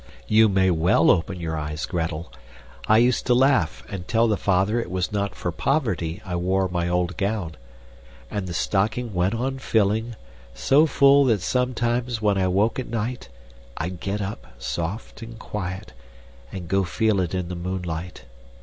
You may well open your eyes, Gretel. I used to laugh and tell the father it was not for poverty I wore my old gown. And the stocking went on filling, so full that sometimes when I woke at night, I'd get up, soft and quiet, and go feel it in the moonlight.